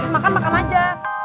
makan makan aja